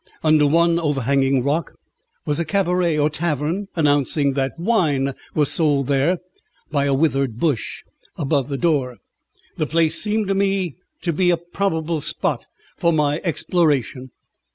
Under one over hanging rock was a cabaret or tavern, announcing that wine was sold there, by a withered bush above the door. The place seemed to me to be a probable spot for my exploration.